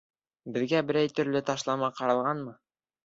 Беҙгә берәй төрлө ташлама ҡаралғанмы?